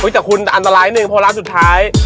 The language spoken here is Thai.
แต่คุณอันตรายหนึ่งเพราะร้านสุดท้าย